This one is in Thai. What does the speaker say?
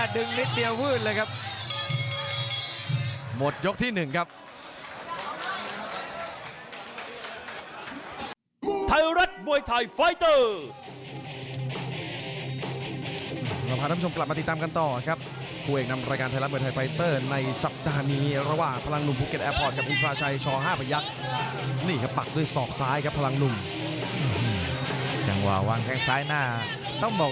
ดึงนิดเดียวพื้นเลยครับ